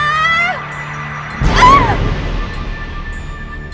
jangan letak vst